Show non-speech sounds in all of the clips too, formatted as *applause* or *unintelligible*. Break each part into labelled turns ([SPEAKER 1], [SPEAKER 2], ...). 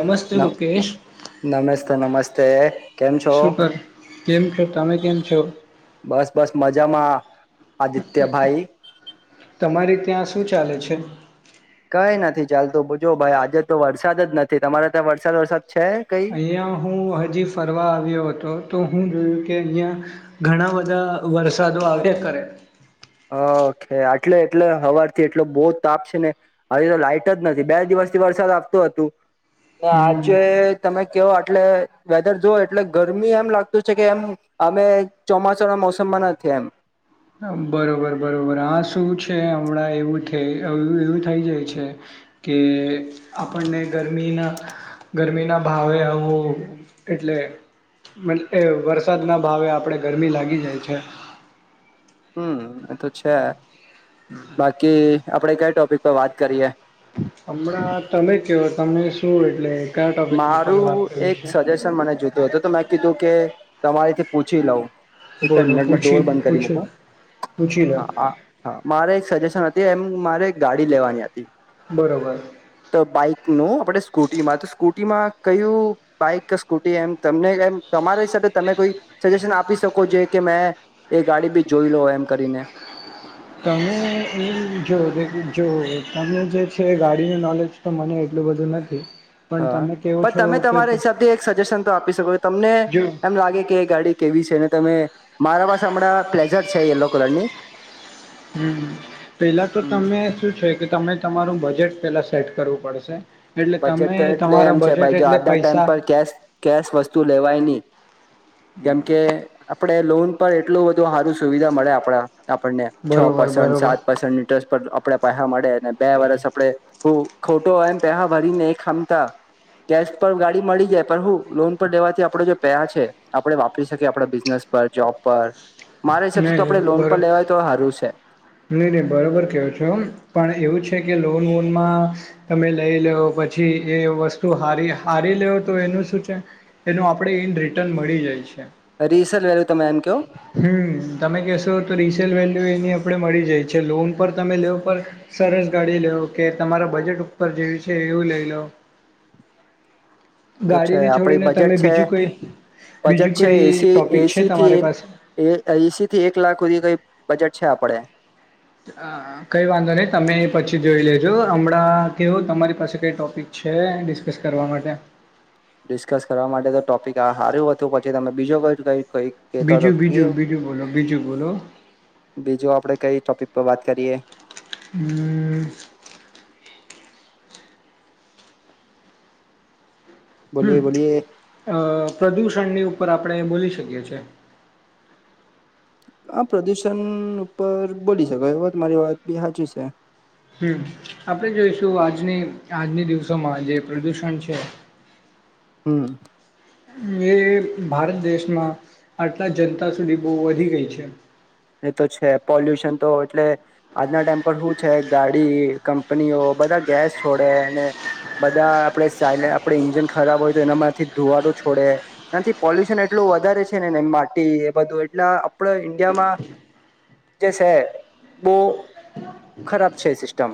[SPEAKER 1] નમસ્તે મુકેેશ.
[SPEAKER 2] તે. કેમ છો?
[SPEAKER 1] કેમ છો તમે કેમ છો
[SPEAKER 2] બસ બસ મજામાં આદિત્યભાઈ.
[SPEAKER 1] તમારી ત્યાં શું ચાલે છે?
[SPEAKER 2] કઈ નથી ચાલ તો બ જોુ ભાઈ આજે તો વરસાદ જ નથી તમારે ત્યાં વરસાદ વરસાદ છે કઈ
[SPEAKER 1] અહં હું હજી ફરવા આવ્યો હતો તો હું કે અહીં, ઘણા બધા વરસાદો આવ્યા કરે.
[SPEAKER 2] હકે આટલે એટલે હવાથી એટલો બહ તાપ છે ને, હજી તો લાઈટ જ નથી બે દિવસથી વરસાદ આવતો હતો. આજે
[SPEAKER 1] હમ
[SPEAKER 2] તમે કેવો એટલે વેધર જો એટલે ગરમી એમ લાગતું છે કે એમ અમે ચોમાસાના મોસમમાં નથી એમ.
[SPEAKER 1] બરોબર બરોબર હા શું છે હમણાં એવું થ એવું થઈ જાય છે કે આપણને ગરમીના ગરમીના ભાવે આવું, એટલે વરસાદના ભાવે આપણે ગરમી લાગી જાય છે.
[SPEAKER 2] હમ એતો છે. બાકી આપડે ક ટોપિક પર વાત કરીએ?
[SPEAKER 1] હમણાં તમે કેવ તમે શું એટલે કયા ટોપિક ઉપર વાત
[SPEAKER 2] મારું
[SPEAKER 1] કરવી
[SPEAKER 2] એક
[SPEAKER 1] છે
[SPEAKER 2] સજેશન મને જોતું હતું તો મે કીધું કે તમારીથી પૂછી લઉ. એક જ
[SPEAKER 1] બોલો
[SPEAKER 2] મિનટમાં ડોર
[SPEAKER 1] પૂછી
[SPEAKER 2] બંધ કરી મક
[SPEAKER 1] પૂછી
[SPEAKER 2] હ
[SPEAKER 1] પૂછી લો
[SPEAKER 2] હા મારે એક સજેશન તે એમ મારે ગાડી લેવાની હતી.
[SPEAKER 1] બરોબર
[SPEAKER 2] તો બાઈક ન આપણે સ્કૂટીમાં તો સ્કૂ માં કયું બાઈક કે સ્કૂટી એમ તમને એમ તમારા હિસાબ તમે કોઈ સજેશન આપી શકો. કે મેં એ ગાડી બી જોઈ લો એમ કરીને
[SPEAKER 1] તમે એ જો, જો તમે જે છે ગાડીનું નોલેજ તો મને એટલું બધું નથી પણ
[SPEAKER 2] હા,
[SPEAKER 1] તમે કેવો
[SPEAKER 2] પણ
[SPEAKER 1] છો
[SPEAKER 2] તમે
[SPEAKER 1] કે
[SPEAKER 2] તમારા હિસાબથી એક સજેશન તો આપી શકો છ તમને
[SPEAKER 1] જો
[SPEAKER 2] એમ લાગે કે એ ગાડી કેવી છે તમે મારા પાસે હમણાં પ્લેઝર છે યલો કલરની
[SPEAKER 1] હમ, પેલા તો તમે
[SPEAKER 2] હમ
[SPEAKER 1] શું છે કે તમે તમારું બજેટ પહેલાં સેટ કરવું પડશે એટલે તમે
[SPEAKER 2] બજેટ તો એટલે
[SPEAKER 1] તમારા
[SPEAKER 2] એમ છે
[SPEAKER 1] બજેટ
[SPEAKER 2] ભાઈ જો
[SPEAKER 1] એટલે
[SPEAKER 2] આજના ટાઈમ
[SPEAKER 1] પૈસા
[SPEAKER 2] પર કેશ કેશ વસ્તુ લેવાય નહી કેમકે આપણે તે લોન પર એટલું બધું સારું સુવિધા મળે આપણા આપણને છ
[SPEAKER 1] બરોબર
[SPEAKER 2] પર્સન્ટ
[SPEAKER 1] બરોબર
[SPEAKER 2] સાત પર્સન્ટ ઇનટસ્ટ પર આપણે પૈસા મળે અને બે વરષ આપડે હું ખોટો હોય એમ પેહા ભરીને ખામતા કેશ પર ગાડી મળી જાય પણ હું લોન પર લેવાથી આપડ જે પેહા છે આપડે વાપરી શકીએ આપ બિઝનેસ પર જોબ પર મારા
[SPEAKER 1] ન
[SPEAKER 2] હિસાબથી તો આપણે લોન પર લેવાય તો સારું છે
[SPEAKER 1] નહી નહી બરોબર કેવો છો પણ એવું છે કે લોનવોનમાં તમે લઈ લ લોવ પછી એ વસ્તુ હારી હારી લેવ તો એનું શું છે એનું આપણે ઇન રિટર્ન મળી જાય છે
[SPEAKER 2] અસ *inaudible*
[SPEAKER 1] હમ તમે કેશો તો રીસેલ વેલ એ આપણે મળી જાય છે લોન પર તમે લોય પણ સરસ ગાડી લેવ કે તમારા બજેટ ઉપર જેવી છે એવું લઈ લો
[SPEAKER 2] તો છે
[SPEAKER 1] ગાડીને
[SPEAKER 2] આપડી
[SPEAKER 1] છોડીને
[SPEAKER 2] બજેટ
[SPEAKER 1] તમે
[SPEAKER 2] છે
[SPEAKER 1] બીજું કોઈ
[SPEAKER 2] બજેટ
[SPEAKER 1] બીજું
[SPEAKER 2] છે
[SPEAKER 1] કોઈ
[SPEAKER 2] એસી
[SPEAKER 1] ટોપિક છે
[SPEAKER 2] એસી
[SPEAKER 1] તમારી
[SPEAKER 2] થી
[SPEAKER 1] પાસે
[SPEAKER 2] એસી થી એક લાખ સુધી કઈ બજેટ છે આપડે
[SPEAKER 1] કઈ વાંધો નહી તમે પછી જોઈ લેજો હમણાં કેવું તમારી પાસે કઈ ટોપિક છે ડિસ્કસ કરવા માટે
[SPEAKER 2] ડિસ્કસ કરવા માટે તો ટોપિક આ હાર્યું હતું પછી તમે બીજું ક ક કઈ કેતા કે
[SPEAKER 1] બીજું
[SPEAKER 2] કિવુ
[SPEAKER 1] બીજું બીજું બોલો બીજું બોલો
[SPEAKER 2] બીજું આપણે કઈ ટોપિક વાત કરીએ
[SPEAKER 1] હ હમ
[SPEAKER 2] બોલીએ બોલીએ
[SPEAKER 1] અ પ્રદૂષણની ઉપર આપ આપણે એ બોલી શકીએ છે
[SPEAKER 2] હ પ્રદૂષણ ઉપર બોલી શકો એ વાત મારી વાત બી સાચી છે
[SPEAKER 1] હમ આપણે જોઈશું આજની આજના દિવસોમાં જે પ્રદૂષણ છે
[SPEAKER 2] હમ
[SPEAKER 1] એ ભારત દેશમાં આટલા જનતા સુધી બહુ વધી ગઈ છે
[SPEAKER 2] એ તો છે પોલ્યુશન તો એટલે આજના ટાઈમ પર શું છે ગાડી કંપનીઓ બધા ગેસ છોડે અને બધા આપણે સા આપણે ઇન્જન ખરાબ હોય તો એનામાંથી ધુવારો છોડે એથી પોલ્યુશન એટલું વધારે છે નેને માટી એ બધું એટલે આપણા ઈન્ડિયામાં જે છે બહુ ખરાબ છે સિસ્ટમ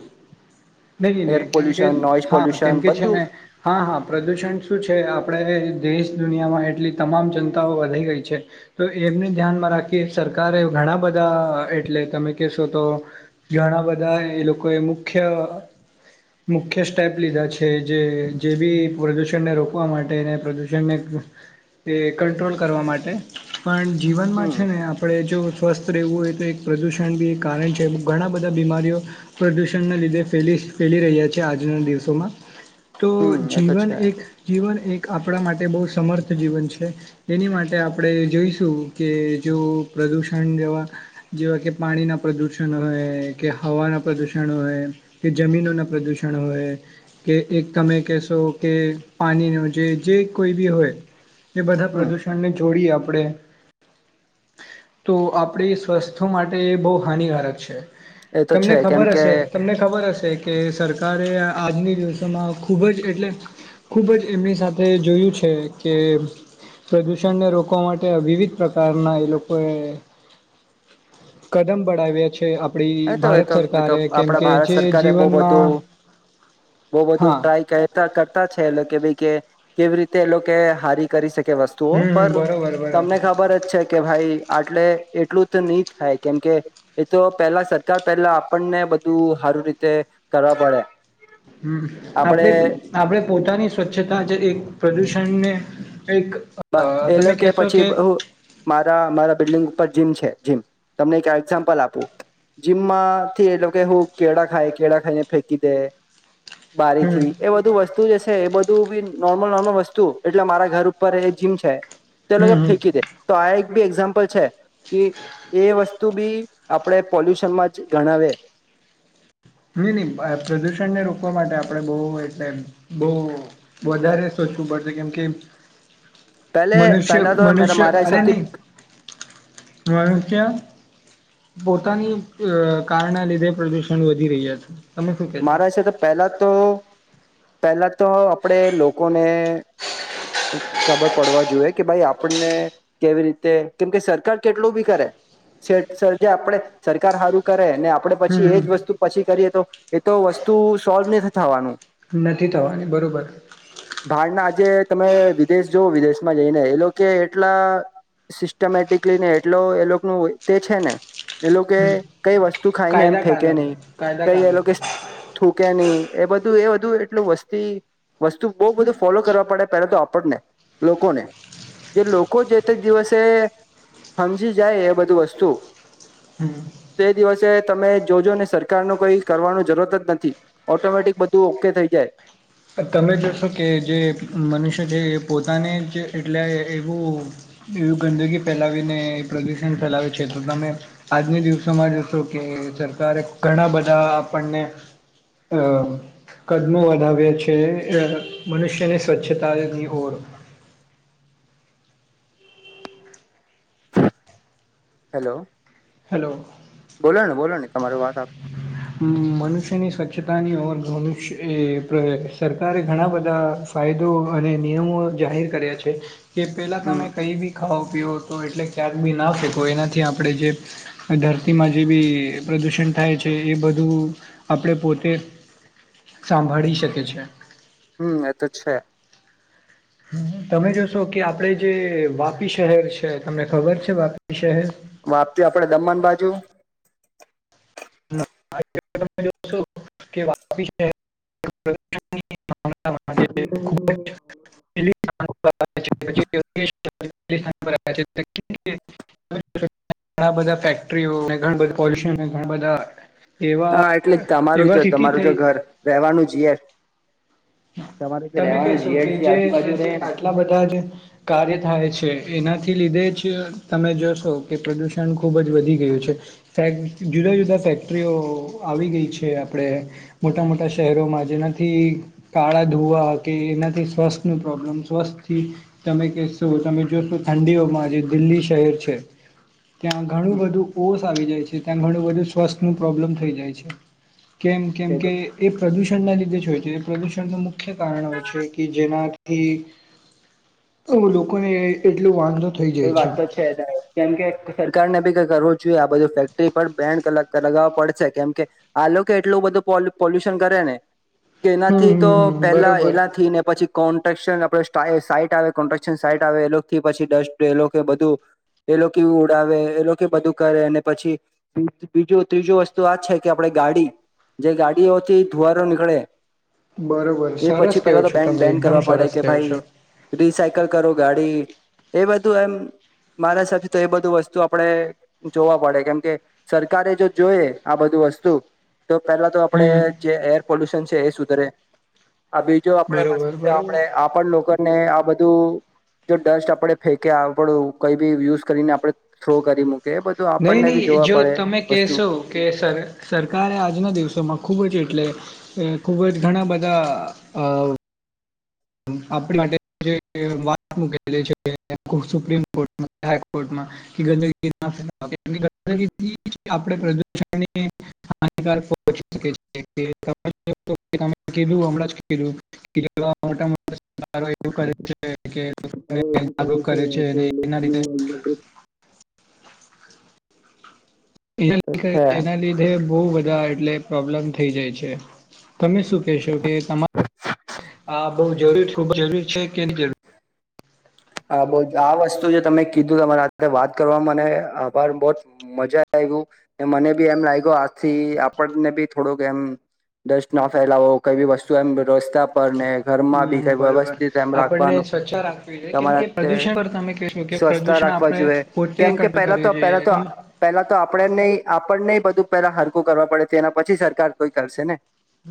[SPEAKER 1] નહી
[SPEAKER 2] એર
[SPEAKER 1] નહી કેમકે
[SPEAKER 2] પોલ્યુશન નોઈઝ
[SPEAKER 1] હા
[SPEAKER 2] પોલ્યુશન
[SPEAKER 1] કેમકે છે
[SPEAKER 2] બધું
[SPEAKER 1] ને હા હા પ્રદુષણ શું છે આપણે દેશ દુનિયામાં એટલી તમામ જનતાઓ વધી ગઈ છે તો એમને ધ્યાનમાં રાખી સરકારે ઘણા બધા એટલે તમે કેહેશો તો ઘણા બધા એ લોકોએ મુખ્ય મુખ્ય સ્ટેપ લીધા છે જે જે બી પ્રદૂષણને રોકવા માટે અને પ્રદૂષણને એ કંટ્રોલ કરવા માટે પણ જીવનમાં
[SPEAKER 2] હમ
[SPEAKER 1] છે ને આપણે જો સ્વસ્થ રહેવું હોય તો એક પ્રદૂષણ બી એક કારણ છે ઘણા બધા બીમારીઓ પ્રદૂષણના લીધે ફેલી ફેલી રહ્યા છે આજના દિવસોમાં તો
[SPEAKER 2] હમ એ તો
[SPEAKER 1] જીવન
[SPEAKER 2] છે
[SPEAKER 1] એક જીવન એક આપણા માટે બહુ સમર્થ જીવન છે એની માટે આપણે જોઈશું કે જો પ્રદૂષણ જેવા જેવા કે પાણીના પ્રદૂષણ હોય કે હવાના પ્રદૂષણ હોય કે જમીનોના પ્રદૂષણ હોય કે એક તમે કહેશો કે પાણીનું જે જે કોઈ બી હોય એ બધા
[SPEAKER 2] હમ
[SPEAKER 1] પ્રદૂષણ ને જોડી આપ તો આપડી સ્વસ્થ્ય માટે એ બહુ હાનિકારક છે
[SPEAKER 2] એ તો
[SPEAKER 1] તમને
[SPEAKER 2] છે કેમ
[SPEAKER 1] ખબર
[SPEAKER 2] કે
[SPEAKER 1] હશે તમને ખબર હશે કે સરકારે આજના દિવસોમાં ખુબ જ એટલે ખુબ જ એમની સાથે જોયું છે કે પ્રદુષણને રોકવા માટે વિવિધ પ્રકારના એ લોકો એ કદમ બડાવ્યા છે આપડી ભારત સરકારે કેમ કે જે
[SPEAKER 2] બવ
[SPEAKER 1] જીવનમાં
[SPEAKER 2] બધું, બવ બધું,
[SPEAKER 1] હા
[SPEAKER 2] ટ્રાય કરતા કરતા કરતા છે એ લોકો બીકે કેવી રીતે એ લોકો હારી કરી શકે કે વસ્તુઓ
[SPEAKER 1] હમ
[SPEAKER 2] પર,
[SPEAKER 1] બરોબર બરોબર
[SPEAKER 2] તમને ખબર જ છે કે ભાઈ આટલે એટલું તો ની થાય કેમકે એ તો પેલા સરકાર, પહેલા આપણને બધું સારું રીતે કરવા પડે
[SPEAKER 1] હમ, આપણે, આપણેે પોતાની સ્વચ્છતા જે એક પ્રદૂષણને એક
[SPEAKER 2] બ,
[SPEAKER 1] અ
[SPEAKER 2] એલે
[SPEAKER 1] તમે
[SPEAKER 2] કે
[SPEAKER 1] કહેશો
[SPEAKER 2] પછી બવુ મારા મારા બિલ્ડિંગ ઉપર જીમ છે જીમ, તમને એક એક્ઝામ્પલ આપું જીમમાંથી એ લોકે હું કેળા ખાય, કેળા ખાઈને ફેંકી દે
[SPEAKER 1] હમ
[SPEAKER 2] બારીથી એ બધું વસ્તુ વસ્તુ જશે એ બધું બી નોર્મલ નોર્મલ વસ્તુ એટલે મારા ઘર ઉપર એક જીમ છે તે,
[SPEAKER 1] હમ
[SPEAKER 2] લોકો
[SPEAKER 1] હમ
[SPEAKER 2] ફેંકી દે તો આ એક બી એક્ઝામ્પલ છે કે એ વસ્તુ બી આપણેે પોલ્યુશનમાં જ ગણાવે
[SPEAKER 1] ની, ની, પ્રદૂષણને રોકવા માટે આપણે બહુ એટલે બહુ વધારે સોચવું પડશે કેમ કે
[SPEAKER 2] પહેલે
[SPEAKER 1] મનુષ્ય,
[SPEAKER 2] પહેલા તો
[SPEAKER 1] મનુષ્ય,
[SPEAKER 2] મારા
[SPEAKER 1] અરે
[SPEAKER 2] હિસાબથી
[SPEAKER 1] ની મનુષ્ય પોતાની કારના લીધે પ્રદુષણ વધ વધી‌ રહ્યા છે,
[SPEAKER 2] મારા, હશે તો પહેલા તો પહેલા તો આપણેે લોકોને ખબર પડવા જોઈએ કે ભાઈ આપણને કેવી રીતે, કેમ કે સરકાર કેટલું ભી કરે છેઠ સરજે આપણેજે આપે સરકાર સારું કરે ને આપડે
[SPEAKER 1] હમ
[SPEAKER 2] પછી એજ
[SPEAKER 1] હમ.
[SPEAKER 2] વસ્તુ પછી કરીએ તો એ તો વસ્તુ સોલ્વ નથી થવાનું
[SPEAKER 1] નથી થવાની બરોબર
[SPEAKER 2] બાર ના આજે તમે દેશ જોવ વિદેશમાં જઈને એ લોકો એટલા સિસ્ટમેટિકલી ને એટલો એ લોકો ન તે છે ને એ લોકે
[SPEAKER 1] હમ
[SPEAKER 2] કઈ વસ્તુ ખાઈને એમ
[SPEAKER 1] કાયદા
[SPEAKER 2] ફેંકે ન
[SPEAKER 1] કાનૂન
[SPEAKER 2] ઈ,
[SPEAKER 1] કાયદા
[SPEAKER 2] કઈ એ
[SPEAKER 1] કાનૂન
[SPEAKER 2] લોકો થૂકેની એ બધું એ બધું એટલું વસ્તી વસ્તુ બહુ બધું ફોલો કરવા પડે પેલા તો આપ આપણને, લોકોને, જે લોકો જે તે જ દિવસે હમજી જાય એ બધું વસ્તુ
[SPEAKER 1] હમ
[SPEAKER 2] કે, તમે, જોજો ને સરકારનું કઈ કરવાનું જરૂરત જ નથી, ઓટોમેટિક બધું ઓકે થઈ જાય
[SPEAKER 1] તમે જોશો કે જે મનુષ્ય છે એ પોતાને જ એટલે એવું એવું ગંદકી ફેલાવીને એ પ્રદુષણ ફેલાવે છે તો તમે આજના દિવસોમાં જશો કે સરકારે ઘણા બધા આપણને કદમો વધાવ્યા છે કે *unintelligible* મનુષ્યની સ્વચ્છતાની હોર
[SPEAKER 2] હલો
[SPEAKER 1] હલો
[SPEAKER 2] બોલો ને, બોલો ને તમારુ વાત આપ
[SPEAKER 1] અમ મનુષ્યની સ્વચ્છતાની ઓર સરકારે ઘણા બધા ફાયદો અને નિયમો જાહેર કર્યા છે કે પેલા
[SPEAKER 2] હમ
[SPEAKER 1] તમે કઈ બી ખાઓ પીઓ તો એટલે ક્યાંક બી ના ફેંકો એનાથી આપણે જે આં ધરતીમાં જે બી પ્રદૂષણ થાય છે એ બધું આપણે પોતે સાંભળી શકે છે
[SPEAKER 2] હમ એ તો છે
[SPEAKER 1] તમે જોશો કે આપડે જે વાપી શહેર છે તમને ખબર છે વાપી શહેર
[SPEAKER 2] વાપી આપડે દમણ બાજુ
[SPEAKER 1] તમે જોશો કેી ખબ *unintelligible* બધા ફેક્ટરીઓ પોલા દ
[SPEAKER 2] હા એટલે જ તમારું જો તમારું જો ઘર રેહવાનું જીય
[SPEAKER 1] તમે કેશો કે જે
[SPEAKER 2] આજુબાજુ રહે ને
[SPEAKER 1] આટલા બધા જે કાર્ય થાય છે એનાથી લીધે જ તમે જોશો કે પ્રદૂષણ ખૂબ જ વધી ગયું છે ફેક જુદા જુદા ફેક્ટરીઓ આવી ગઈ છે આપણે મોટા મોટા શહેરોમાં જેનાથી કાળા ધુવા કે એનાથી શ્વાસનું પ્રોબ્લમ સ્વસ્થથી તમે કહેશો તમે જોશો ઠંડીઓમાં જે દિલ્હી શહેર છે ત્યાં ઘણું બધું ઓશ આવી જાય છે ત્યાં ઘણું બધું સ્વસ્થનું પ્રોબ્લમ થઈ જાય છે કેમ કેમ કે એ પ્રદૂષણ ના લીધે જ હોય છે પ્રદૂષણ ન મુખ્ય કારણ હોય છે કે જેનાથી લોકોને એટલું વાંધો થઈ
[SPEAKER 2] એ
[SPEAKER 1] જાય
[SPEAKER 2] વાત તો છે જ કેમ કે સરકાર ને બી કઈ કરવું જોઈએ આ બધુ ફેક્ટરી પર બેન લગાવવા પડશે કેમ કે આ લોકો એટલું બધું પોલ્યુશન કરેને કે
[SPEAKER 1] હમ
[SPEAKER 2] એનાથી તો
[SPEAKER 1] હમ
[SPEAKER 2] પેલા
[SPEAKER 1] બરોબર
[SPEAKER 2] એનાથી ને પછી કોન્ટ્રાક્શન આપડ સાઈટ આવે કોન્ટ્રાક્શન સાઈટ આવે એ થી પછી ડસ્ટ એ લોકો બધું એ લોકો ઉડાવે એ લોકો બધું કરે અને પછી બીજું ત્રીજું વસ્તુ આ છે કે આપણે ગાડી જે ગાડીઓથી ધુવારો નીકળે
[SPEAKER 1] બરોબર
[SPEAKER 2] એ પછી
[SPEAKER 1] સરસ કેવો
[SPEAKER 2] પેલા તો
[SPEAKER 1] છો
[SPEAKER 2] બેન
[SPEAKER 1] તમે
[SPEAKER 2] બેન
[SPEAKER 1] એકદમ
[SPEAKER 2] કરવા પડે
[SPEAKER 1] સરસ
[SPEAKER 2] કે
[SPEAKER 1] કેવો
[SPEAKER 2] ભાઈ
[SPEAKER 1] છો
[SPEAKER 2] રિસાયકલ કરો ગાડી એ વાત એમ મારા હિસાબ તો એ બધું વસ્તુ આપણે જોવા પડે કેમકે સરકારે જો જોઈએ આ બધું વસ્તુ તો તો પહેલા તો આપડે
[SPEAKER 1] હમ
[SPEAKER 2] જે એર પોલ્યુશન છે એ સુધરે આ બીજું આપડે વસ્તુ
[SPEAKER 1] બરોબર
[SPEAKER 2] છે
[SPEAKER 1] બરોબર
[SPEAKER 2] આપણે આ પણ લોકો ને આ બધું જો ડસ્ટ આપડે હે કે આપડુ કઈ બી યુઝ કરીને આપણે થ્રો કરી મુ
[SPEAKER 1] નહી નહીં જો તમે
[SPEAKER 2] વસ્તુ
[SPEAKER 1] કહેશો કે સર સરકારે આજના દિવસોમાં ખૂબ જ એટલે ખૂબ જ ઘણા બધા અ આપ માટે જે વાત મલી છે સુપમ કોર્ટાઈકોર્ટમાં ગંદ હિકારચીં મોટા મોટા એવું કરે છે કે જાગૃત કરે છે અને એના લીધે એના,
[SPEAKER 2] છે
[SPEAKER 1] એના,
[SPEAKER 2] આ
[SPEAKER 1] લીધે બહુ ત્યાં એટલે પ્રોબલેમ થઈ જાય છે તમે શું કેશો કે તમા, આપ બહુ જરૂર, ખૂબ જરૂર છે કે ની જરૂર
[SPEAKER 2] હા, બહ આ વસ્તુ જે તમે કીધું તમારા સાથે વાત કરવા મને આભાર બહુ જ મજા આવ મને બી એમ લાગ્યું આથી આપણને બી થોડુંક એમ ડસ્ટ ના ફેલાવો, કઈ બી વસ્તુ એમ રસ
[SPEAKER 1] હમ, બરોબર આપણને સ્વચ્છા રાખવી છે
[SPEAKER 2] સ્વસ્છ રાખવા
[SPEAKER 1] આપણે
[SPEAKER 2] જોઈએ
[SPEAKER 1] પોતે
[SPEAKER 2] કેમ કે
[SPEAKER 1] કંટ્રોલ
[SPEAKER 2] પહેલા
[SPEAKER 1] કરવી
[SPEAKER 2] તો
[SPEAKER 1] જોઈએ
[SPEAKER 2] પલા
[SPEAKER 1] તમે
[SPEAKER 2] પહેલા તો આપણે ન આપ પણ નહી બધું પેલા હરખુ કરવા પડે તેના પછી સરકાર કોઈ કરશે ને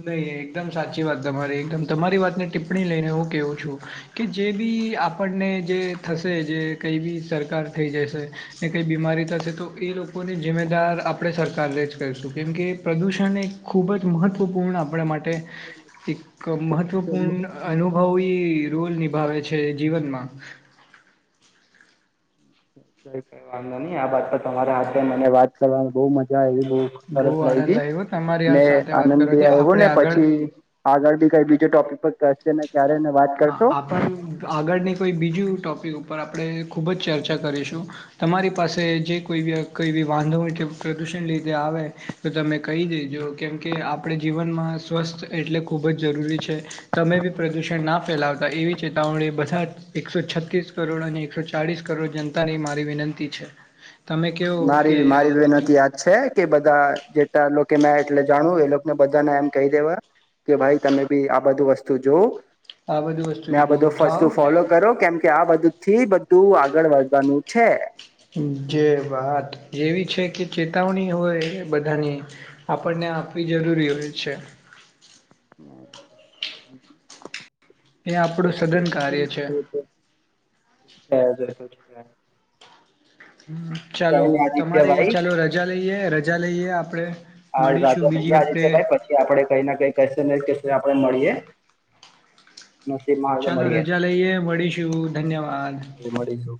[SPEAKER 1] નહી, એકદમ સાચી વાત તમારી એકદમ તમારી વાતને ટિપ્પણી લઈને હું કેવું છું કે જે બી આપણને જે થશે જે કઈ બી સરકાર થઈ જશે ને કઈ બીમારી થશે તો એ લોકોને જિ્મેદાર આપણે સરકારને જ કરશું કેમ કે પ્રદૂષણ એ ખૂબ જ મહત્વ પૂર્ણ આપણા માટે એક મહત્વપૂર્ણ અનુભવી એ રોલ નિભાવે છે જીવનમાં
[SPEAKER 2] કઈ કઈ વાંધો નહી આ બાત પર તમારા હાથે મને વાત કરવાની બહ મજા આવી. ખૂબ
[SPEAKER 1] બહુ
[SPEAKER 2] સરસ
[SPEAKER 1] આનંદ
[SPEAKER 2] લાયગી
[SPEAKER 1] આવ્યો તમારી આ
[SPEAKER 2] ને
[SPEAKER 1] સાથે વાત
[SPEAKER 2] આનંદ ભી
[SPEAKER 1] કરવાથી
[SPEAKER 2] આવ્યો
[SPEAKER 1] આપણે
[SPEAKER 2] ને
[SPEAKER 1] આગળ
[SPEAKER 2] પછી આગળ બી કઈ બીજો ટોપિક પર જેને
[SPEAKER 1] હા આપણ આગળને કોઈ બીજું ટોપિક ઉપર આપણે ખૂબ જ ચર્ચા કરીશું. તમારી પાસે જે કોઈ બી કોઈ બી વાંધોય કે પ્રદૂષણ લીધે આવે તો તમે કહી દેજો કેમ કે આપણે જીવનમાં સ્વસ્થ એટલે ખૂબ જ જરૂરી છે તમે બી પ્રદૂષણ ના ફેલાવતા એવી ચેતાવણી બધાજ એકસો છતીસ કરોડ અને એકસો ચાલીસ કરોડ જનતાની મારી વિનંતી છે. તમે કહો કે
[SPEAKER 2] મારી
[SPEAKER 1] આ
[SPEAKER 2] મારી
[SPEAKER 1] બધું
[SPEAKER 2] વિનતી યાદ છે કે બધા જેટલા લોકો મે એટલે જાણવું એ ને બધાને એમ કહી દેવા કે ભાઈ તમે બી આ બધું વસ્તુ જોવ
[SPEAKER 1] આ બધું
[SPEAKER 2] ને આ
[SPEAKER 1] વસ્તુથી દૂર
[SPEAKER 2] બધું ફસ્તુ
[SPEAKER 1] થાવ ને
[SPEAKER 2] ફોલો કરો કેમ કે આ બધું થી બધું આગળ વધવાનું છે.
[SPEAKER 1] જે વાત એવી છે કે ચેતવણી હોય બધાની આપણને આપવી જરૂરી હોય છે
[SPEAKER 2] *unintelligible*
[SPEAKER 1] એ આપણું સઘન કાર્ય છે.
[SPEAKER 2] *unintelligible*
[SPEAKER 1] હ ચાલો હુ
[SPEAKER 2] કેમ
[SPEAKER 1] તમારી
[SPEAKER 2] આદિત્યભાઈ
[SPEAKER 1] ચાલો રજા લઈએ, રજા લઈએ આપડે
[SPEAKER 2] આ રાજા
[SPEAKER 1] મળીશું બીજી
[SPEAKER 2] રહીયા
[SPEAKER 1] વખતે.
[SPEAKER 2] જો આપણે મળીએે
[SPEAKER 1] ચાલો રજા લઈએ મળીશું ધન્યવાદ.
[SPEAKER 2] મળીશું.